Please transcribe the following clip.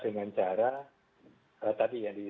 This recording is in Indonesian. dengan cara tadi